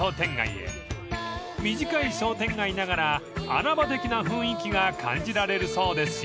［短い商店街ながら穴場的な雰囲気が感じられるそうですよ］